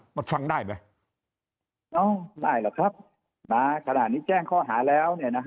มันฟังได้ไหมอ้อได้หรอครับมาขนาดนี้แจ้งข้อหาแล้วเนี่ยนะฮะ